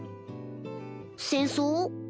戦争？